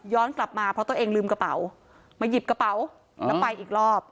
กลับมาเพราะตัวเองลืมกระเป๋ามาหยิบกระเป๋าแล้วไปอีกรอบ